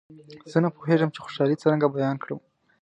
زه نه پوهېږم چې خوشالي څرنګه بیان کړم.